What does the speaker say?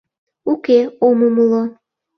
Уке, ом умыло.